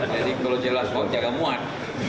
jadi kalau jelas hoaks jangan muat